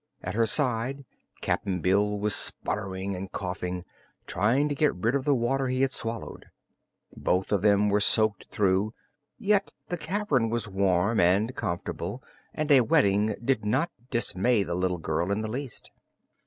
At her side Cap'n Bill was sputtering and coughing, trying to get rid of the water he had swallowed. Both of them were soaked through, yet the cavern was warm and comfortable and a wetting did not dismay the little girl in the least.